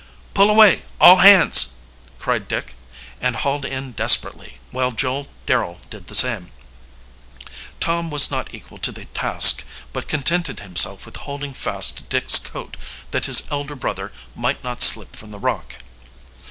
"Pull away, all hands!" cried Dick, and hauled in desperately, while Joel Darrel did the same. Tom was not equal to the task, but contented himself with holding fast to Dick's coat, that his elder brother might not slip from the rock.